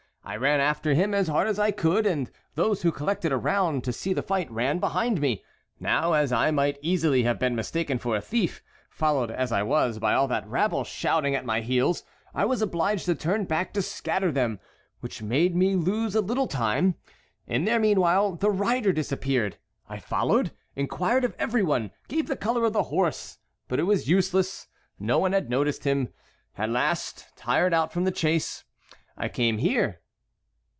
I ran after him as hard as I could, and those who collected around to see the fight ran behind me. Now as I might easily have been mistaken for a thief, followed as I was by all that rabble shouting at my heels, I was obliged to turn back to scatter them, which made me lose a little time. In the meanwhile the rider disappeared; I followed, inquired of every one, gave the color of the horse; but it was useless; no one had noticed him. At last, tired out from the chase, I came here."